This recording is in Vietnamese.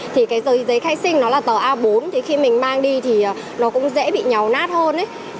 thì cái giấy khai sinh nó là tờ a bốn thì khi mình mang đi thì nó cũng dễ bị nhầu nát hơn